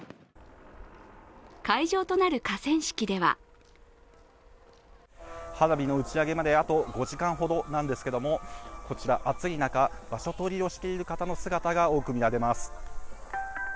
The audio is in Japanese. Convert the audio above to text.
会場となる河川敷では花火の打ち上げまで、あと５時間ほどなんですけど、こちら暑い中、場所取りをしている人の姿が多く見られます。